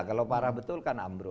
kalau parah betul kan ambruk